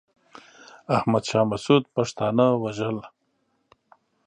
احمد شاه مسعود پښتانه وژل.